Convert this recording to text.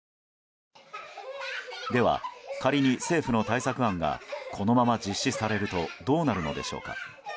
では、仮に政府の対策案がこのまま実施されるとどうなるのでしょうか。